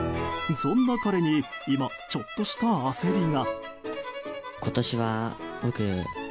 そんな彼に今ちょっとした焦りが。